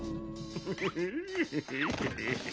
フフフフ。